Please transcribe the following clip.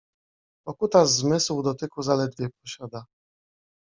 Bo kutas zmysł dotyku zaledwie posiada